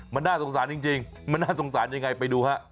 มันน่าสงสารจริงมันน่าสงสารยังไงไปดูฮะ